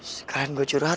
sekalian gue curhat